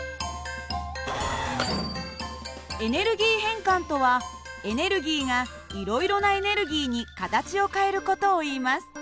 エネルギー変換とはエネルギーがいろいろなエネルギーに形を変える事をいいます。